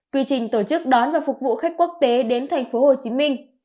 quy trình tổ chức đón và phục vụ khách quốc tế đến thành phố hồ chí minh